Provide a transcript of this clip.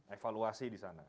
evaluasi di sana